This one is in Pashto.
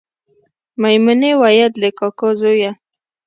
میمونې ویل د کاکا زویه